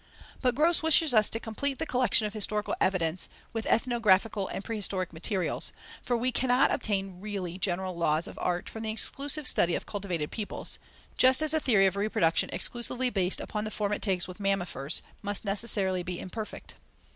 But Grosse wishes us to complete the collection of historical evidence with ethnographical and prehistoric materials, for we cannot obtain really general laws of art from the exclusive study of cultivated peoples, "just as a theory of reproduction exclusively based upon the form it takes with mammifers, must necessarily be imperfect!"